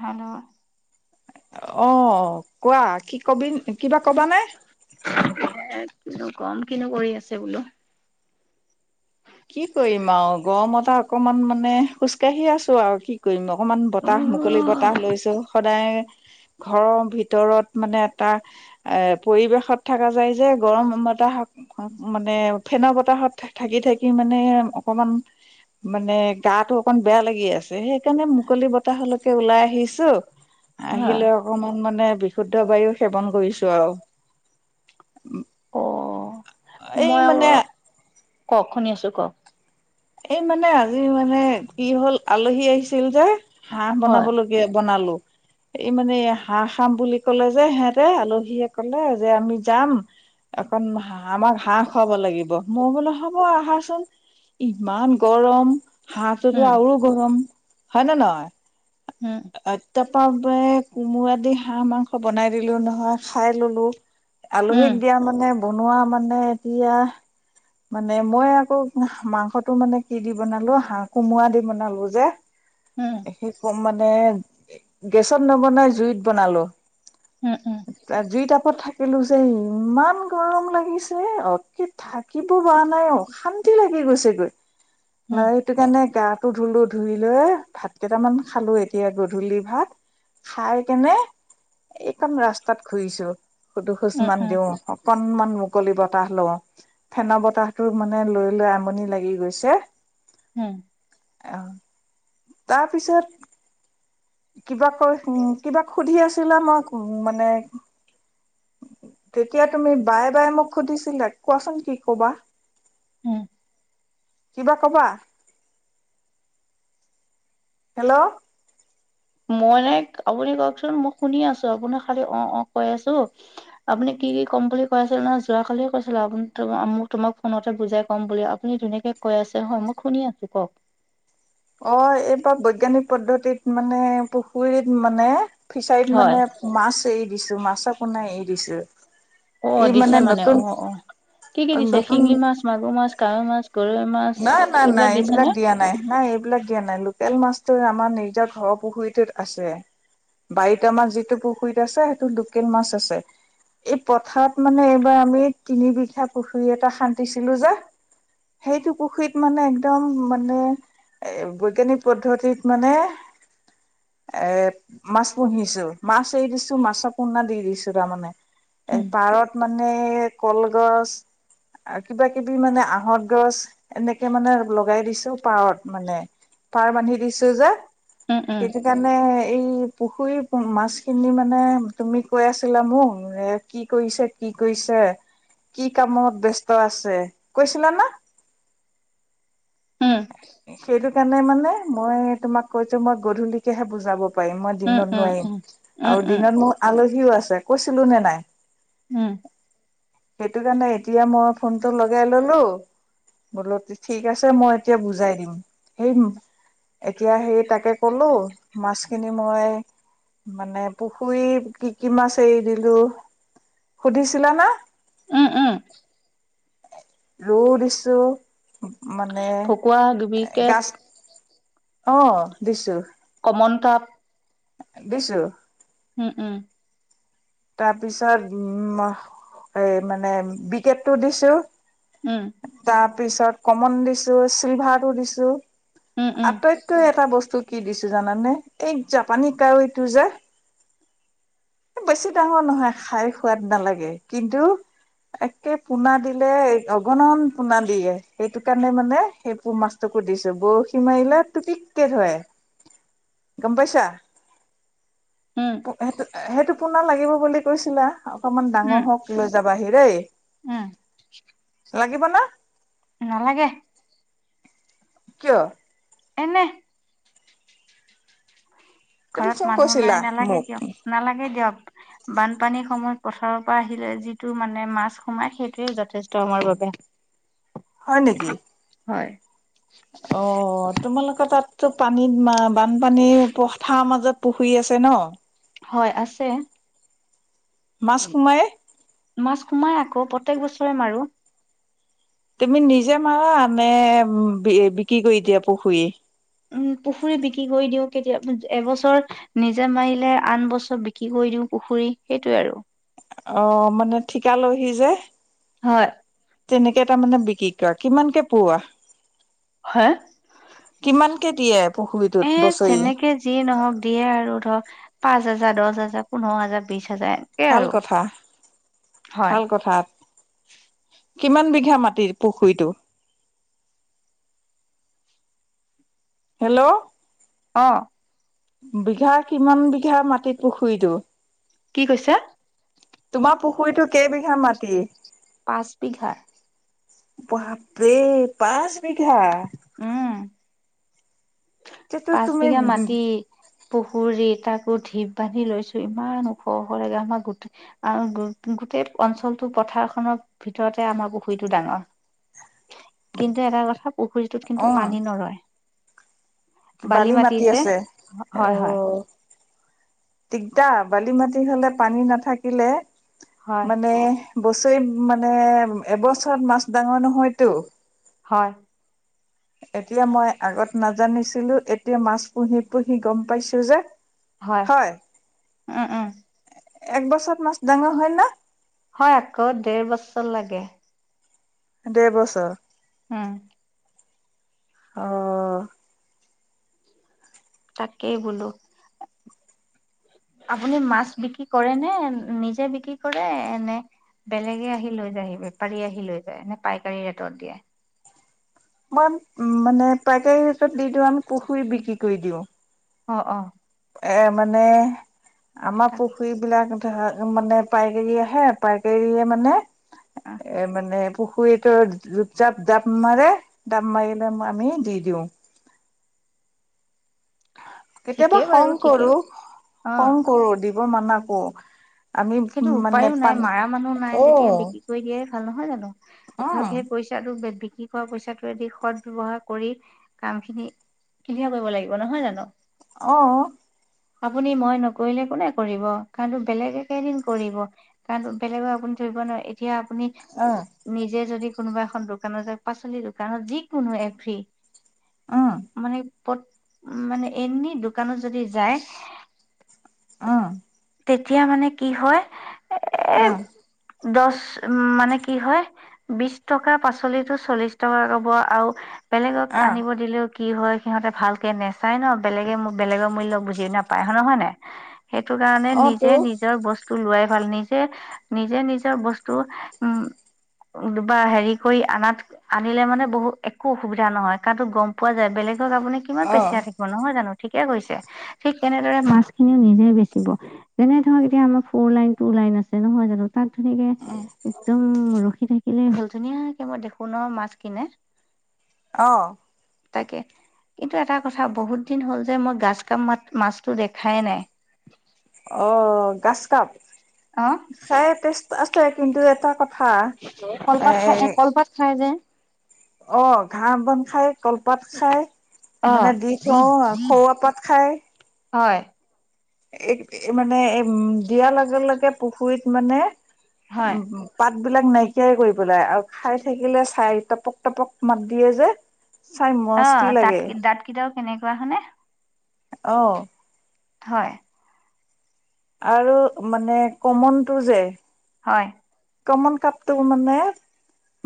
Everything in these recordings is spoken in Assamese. হেল্ল' অ কোৱা কি কবি কিবা কবাানে কিন্তু কম কিনো কৰি আছে বোলো কি কৰিম আৰু গমতা অকমান মানে খোজকাঢ়ি আছো আৰু কি কৰিম অকণমান বতাহ মুকলি অ', বতাহ লৈছো [inaudible] ঘৰৰ ভিতৰত মানে এটা এ পৰিৱেশত থকা যায় যে গৰমতা মানে ফেনৰ বতাহত থাকি থাকি মানে অকমান মানে গাটো অকন বেয়া লাগি আছে সেইকাৰণে মুকলি বতাহলৈকে ওলাই আহিছো হা আহিলে অকমান মানে বিশুদ্ধ বায়ু সেৱন কৰিছো আৰু অ এই মই আ মানে কওক শুনি আছো কওক এই মানে আজি মানে কি হ'ল আলহী আহিছিল যে হাঁহ বনাব হয় লগগীয়া বনালো এই মানে হাঁহ খাম বুলি ক'লে যে হেহতে আলহীয়ে কলে যে আমি যাম অকণ হ আমাক হাঁহ খুৱাব লাগিব মই বোলেো হ'ব আহাচোন ইমান গৰম হাঁহটোতো উম আৰু গৰম হয় নে উম নহয় অ তাৰাপা কোমোৰাদি হাঁহ মাংস বনাই দিলো নহয় খাই ললো উম আলহীক দিয়া মানে বনোৱা মানে এতিয়া মানে মই আকৌ মাংসটো মানে কি দি বনালো হাঁহ কোমোৰা দি বনালো যে উম সেই ক মানে গেছত নবনাই জুইত বনালো উম জুই টাপত থাকিলো যে ইমান গৰম লাগিছে অ কি থাকিব পৰা নাই অ শান্তি লাগি গৈছেগৈ ল উম এইটো কাৰণে গাত ধুই লৈ ভাত কেইটামান খালো এতিয়া গধূলি ভাত খাই কেনে এইকণ ৰাস্তাত ঘুৰিছো সুধো খোজ উম উম মান উম দিও অকনমান মুকলিিব বতাহ ল ফেনৰ বতাহতো মানে লৈ লৈ আমনি লাগি আহ উম তাৰপিছত কিবা কৈ উ কিবাক সুধি আছিলা মই মানে তেতিয়া তুমি বায়ে বায়ে মোক সুধিছিলা কোৱাচোন কি কবা উম কিবা কবা হেল্ল' মই নাই আপুনি কওকচোন মই শুনি আছো আপোননি খালী অ অ কৈ আছো আপুনি কি কি ক'ম বুলি কৈ আছিলে না যোৱ কালি কৈছিলো আপু মোক তোমাক ফোনতে বুজাই ক'ম বুলি আপুনি ধুনীয়াকে কৈ আছে হয় মই শুনি আছো কওক দ্ধতিত মানে পুখত মানে ফিচাৰত হয় মানে মাছ এ দিছো মাছ কো নাই এৰি দিছো অ এই দিছে মানে নতুন অ অ কি কি দিছে নতুন শিঙলি মাছ মাগুৰ মাছ কাৱৈ মাছ গৰৈ মাছ নাই নাই নাই দিছে এইবিলাক নে? দিয়া নাই নাই এইবিলাক দিয়া নাই লোকেল মাছ আমাৰ নিজৰ ঘৰ পুখুৰীতত আছে বাৰীত আমাৰ যিটো পুখুৰীত আছে সেইটো লোকেল মাছ আছে এই পথাৰত মানে এইবাৰ আমি তিন বিঘা পুখুৰী এটা শান্্তিছিলো যে এইটো পুখুৰীত মানে একদম মানে এ বৈজ্ঞানিক পদ্ধতিত মানে এৰ মাছ পুহিছো মাছ এৰি দিছো মাছৰ পণা দি দিছো তাৰমানে এ উম, পাৰত মানে কলগছ আৰু কিবা কিবি মানে আহত গছ এনেকে মানে লগাই দিছো পাৰত মানে পাৰ বান্ধি দিছো যে উম, উম, সেইটো কাৰণে এই পুখুৰী মাছ খিনি মানে তুমি কৈ আছিলা মোক যে কি কৰিছে কি কৰিছে কি কামত ব্যস্ত আছে কৈছিলা না উম, সেইটো কাৰণে মানে মই তোমাক কৈছো মই গধূলিকেহে বুজাব পি মই উম, দিনত উম, নোৱাৰিম উম, উম, আৰু উম, দিনত মোৰ আলহীও আছে কৈছিলো নে নাই উম, সেইটো কাৰণে এতিয়া মই ফোনটো লগাই ললো বোলো ঠিক আছে মই [inaudible] মই মানে পুখুৰী কি কি মাছ এৰি দিলো সুধিছিলা না উম, উম, ৰু দিছো মানে ভকুৱা, এ ডুবিকেট, গছ অ দিছো কিতাপ বিছু উম উম তাৰ পিছত উম এই মানে বিকেটটো দিছো উম, তাৰ পিছত কমন দিছো চিলভাৰটো দিছো উম, উম, আটাইতকৈ এটা বস্তু কি দিছো জানানে এই জাপানী কাৱীটো যে বেছি ডাঙৰ নহয় খাই সোৱাদ নালাগে কিন্তু একে পোনা দিলে অগণন পোনা দিয়ে সেইটো কাৰণে মানে সেই পো মাছটো সুধিছো বৰশী মাৰিলাত টো পিককে থয় [inaudible] গম্পাচা উম, সেইটো সেইটো পোনা লাগিব বুলি কৈছিলা অকনমান ডাঙৰ উম, হওক লৈ যাবাহি দেই উম লাগিব ন নালাগে কিয় এনে তুমি ঘৰত চব মানুহ নাই কৈছিলা নালাগে মোক দিয়ক নালাগে দিয়ক বানপানীৰ সময়ত পথাৰৰ পৰা আহিলে যিটো মানে মাছ সোমায় সেইটোোৱে যথেষ্ট আমাৰ বাবে হয় নেকি হয়। অ তোমালোকে তাতো পানীত বানপানীৰ পথাৰ মাজত পুখী আছে ন হয় আছে মাছ সোমাই মাছ সোমাই আকৌ প্ৰত্য়েক বছৰে মাৰো তুমি নিজে মাৰা নে বিক্ৰী কৰি দিয়া পুখুৰী উম পুখুৰী বিক্ৰী কৰি দিও কেতিয়া এবছৰ নিজে মাৰিলে আন বছৰ বিক্ৰী কৰি দিওঁ পুখুৰী সেইটোয়ে আৰু অ মানে ঠিকা লহি যে হয় তেনেকে তাৰ মানে বিকি ক কিমানকে পৱোৱা হা কেতিয়ে এ যেনেকে যি নহক দিয়ে আৰু ধৰক পাঁচ হাজাৰ দহ হাজাৰ পোন্ধৰ হাজাৰ বিশ হাৰ যায় একে ভাল আৰু কথা হয় ভাল কথা কিমান বিঘা মাটি পুখুৰীটো হেল্ল' অ বিঘা কিমান বিঘা ম পুখুৰীটো কি কৈছা তোমাৰ পুখুৰীটো কেইবিঘা মাটি পাঁচ বিঘাৰ বাপে পাঁচ বিিঘা উম তেতিয়াতো পাঁচ তুমি বিঘা মাটি পুখুৰীত তাকো ধীপ বান্ধি লৈছো ইমান ওখখৰেগে আমাৰ গো গোটেই অঞ্চলটো পথাৰখনৰ ভিতৰতে আমাৰ পুখুৰীটো ডাঙৰ কিন্তু এটা কথা পুখুৰীটোত অ কিন্তু পানী নৰয় বালি মাটি আছে অ হয় হয় দিগদা বালি মাটি হলে পানী নাথাকিলে হয় মানে বছৰি মানে এবছৰত মাছ ডাঙৰ নহয়তো হয় এতিয়া মই আগত নাজানিছিলো এতিয়া মাছ পুহি পুহি গম প যে হয় উম উম একবছৰত মাছ ডাঙৰ হয় না হয় আকৌ দেৰ বছৰ লাগে দেৰ বছৰ উম অ তাকাকেই বলো আপুনি মাছ বিক্ৰী কৰে নে নিজে বিক্ৰী কৰে এনেে বেলেগে আহি লৈ যায়হি বেপাৰী আহি লৈ যায় নে পাইকাৰী ৰেটত দিয়ে মান উ মানে পাইকাৰীৰ হচত দি দি আমি পুখুৰী বিক্ৰী কৰি দিওঁ অ অ এ মানে আমাৰ এটা পুখুৰী বিিলাক ধ মানে পাইকাৰ আহে পাইকাৰীয়ে মানে অ এ মানে পুখুৰীটো জপ জাপ দাপ মাৰে ডাপ মাৰিলে আমি দি দিওঁ কেতিয়াবা ঠিকেই বাৰু খং ঠিকেই কৰো অ খং কৰো দিব মানাকো সেইন্তটো উপায়ও নাই মাৰ মানুহ নাই অ যেতিয়া বিক্ৰী কৰি দিয়াই ভাল নহয় জানো অ ধৰক সেই পইচা আৰু বে কি খোৱা পইচাটোেদি সদ ব্য্ৱহাৰ কৰি কাম খিনি কিনিয় কৰিব লাগিব নহয় জানো অ আপুনি মই নকৰিলে কোনে কৰিব কাৰণটো বেলেগে কেইদিন কৰিব কাৰণ বেলেগক আপুনি ধৰিব নোৱাৰে এতিয়া আপুনি নিজে যদি কোনোবা এখন দোকানত য পাচলি দোকানত যিকোনো এফ্ৰী উ মানে প মানে এনে দোকানো যদি যায় অ তেতিয়া মানে কি হয় এ আহ দহ উ মানে কি হয় বিশ টকা পাচলিো চল্লিশ টকা কব আৰু বেলেগক অ আনিব দিলেও কি হয় সিহঁতে ভালকে নেচায় ন বেলেগে বেলেগৰ মূল্য বুজি নাপায় হয় নহয় নে সেই কাৰণে অ নিজে তো নিজৰ বস্তু লোৱ ভাল নিজে নিজে নিজৰ বস্তু উম বা হেৰি কৰি আনাত আনিলে মানে বহুত একো অসুবিধা নহয় কাৰো গম পোৱা যায় বেলেগ আপুনি কিমান অ পেছিয়া থাকিব নহয় জানো ঠিকে কৈছে ঠিক তেনেদৰে মাছ খিনিও নিজে বেছি যেনে ধৰক এতিয়া আমাৰ ফ'ৰ লাইন টু লাইন আছে নহয় জান তাত ধুনীয়াকে উম একদম ৰখি ি থাকিলে ভল ধুনীয়াাকে মই দেখো ন মাছ কিনে আহ তাকে কিন্তু এটা কথা বহুত দিন হ'ল যে মই গাজ কামা মাছতটো দেখাই নাই অ গছ কাপ অ সে তেেষ্ট আ ছে কিন্তু এটা কথা এ অ অ ঘাঁহ বন খাই কলপাত খাই অ', মানে দি থওঁ খৰুৱা পাত খাই হয় মানে এ উম দিয়াৰ লগে লগে পুখুৰীত মানে হয়, উম পাত শাক বিলাক নাইকিয়াই কৰি পেলাই আৰু খাই থাকিলে চাই টপক টপক মাত দিয়ে যে চাই অ মস্তি তাঁত লাগে ক দাঁত কেইটাও কেনেকুৱা হয়নেে আহ হয় আৰু মানে কমনতটো যে হয় কমন কাপটো মানে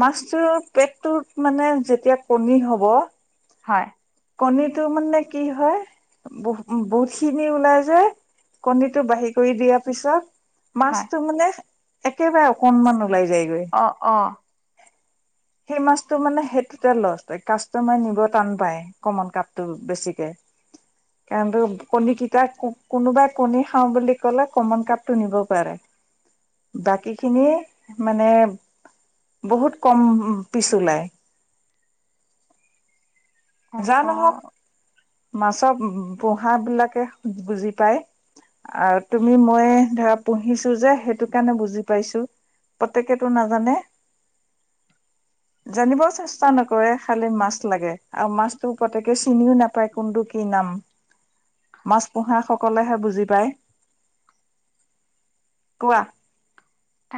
মাছটোৰ পেটটোত মানে যেতিয়া কণী হব হয় কণীটো মানে কি হয় ব বহুতখিনি ওলাই যায় কণীটো বাঢ়ি কৰি দিয়াৰ পিছত হয়, মাছতটো মানে একেবাৰে অকনমানো অ অ সেই মাছটো মানে সেইটোতে লছ কাষ্ট মাৰ নিব টান পায় কমন কাপটো বেছিকে কাৰণ কণী কেইটা কোনোবাই কণী খাওঁ বুলি ক'লে কমন কাপটো নিব পাৰে বাকী খিনি মানে বহুত কম পিছ ওলাই যা অ নহওক মাছৰ পোহা বিলাকে বুজি পায় আৰু তুমি মই ধৰা পুহিছো যে সেইটো কাৰণে বুজি পাইছো পতকে টো নাজানে [inaudible] জানিবও চেষ্টা নকৰে খালি মাছ লাগে আৰু মাছতো প্ৰত্যক চিনিও নাপ কোনটো কি নাম মাছ পোহা সকলেহে বুজি পায় কোৱা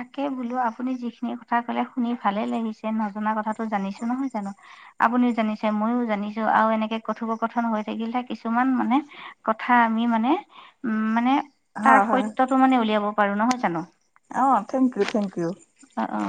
তাকে বোলো আপুনি যিখিনি কথা কলে শুনি ভালে লাগিছে নজনা কথাটো জানিছো নহয় জানো আপ আপুনিও জানিছে মইও জানিছো আৰু এনেকে কথোপকথন হৈ থাকিলহে কিছুমান মানে কথা আমি মানে উ মানে তাৰ হয় হয় সত্যয়তটো মানে উলিয়াব পাৰো নহয় জানো অ thank you thank you O